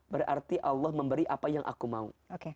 berarti allah memberi apa yang aku mau